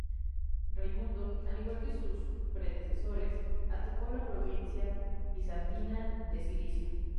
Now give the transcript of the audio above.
Raimundo, al igual que sus predecesores, atacó la provincia bizantina de Cilicia.